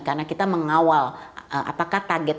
karena kita mengawal apakah target